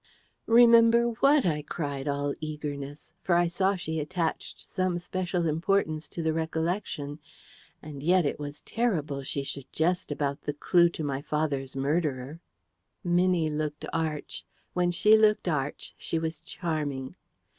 "Remember what?" I cried, all eagerness; for I saw she attached some special importance to the recollection. And yet, it was terrible she should jest about the clue to my father's murderer! Minnie looked arch. When she looked arch, she was charming.